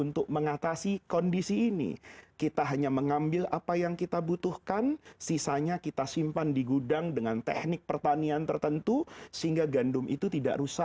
tidak bisa tidur